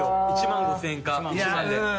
１万５０００円か１万で。